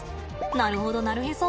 なるほどなるへそ！